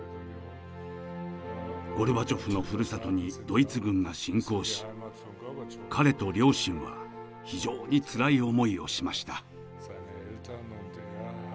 ゴルバチョフのふるさとにドイツ軍が侵攻し彼と両親は非常につらい思いをしました。